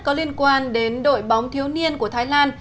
có liên quan đến đội bóng thiếu niên của thái lan